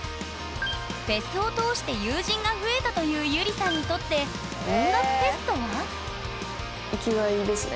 フェスを通して友人が増えたというゆりさんにとって音楽フェスとは？